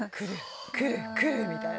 くる、くる、みたいな。